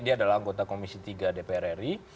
dia adalah anggota komisi tiga dpr ri